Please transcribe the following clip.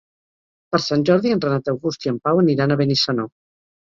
Per Sant Jordi en Renat August i en Pau aniran a Benissanó.